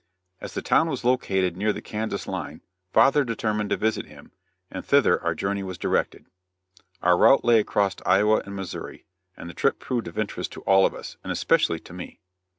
As the town was located near the Kansas line father determined to visit him, and thither our journey was directed. Our route lay across Iowa and Missouri, and the trip proved of interest to all of us, and especially to me.